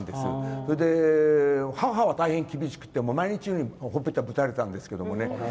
それで母は大変厳しくて毎日のようにほっぺたをぶたれたんですけどね。